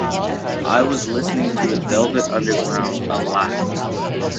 I was listening to the Velvet Underground a lot.